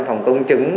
văn phòng công chứng